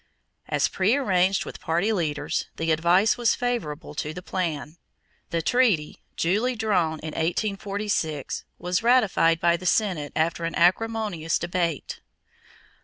As prearranged with party leaders, the advice was favorable to the plan. The treaty, duly drawn in 1846, was ratified by the Senate after an acrimonious debate.